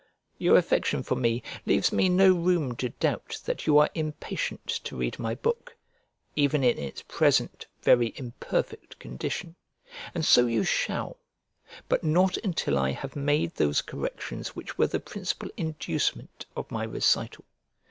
Your affection for me leaves me no room to doubt that you are impatient to read my book, even in its present very imperfect condition. And so you shall, but not until I have made those corrections which were the principal inducement of my recital.